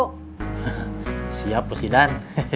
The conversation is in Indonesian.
hehehe siap lusidan